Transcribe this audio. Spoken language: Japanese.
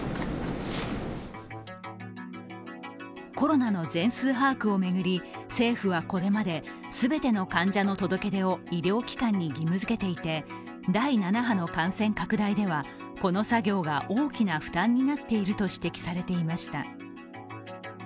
コロナの全数把握を巡り、政府はこれまで全ての患者の届け出を医療機関に義務づけていて第７波の感染拡大ではこの作業が大きな負担になっていると指摘されていました。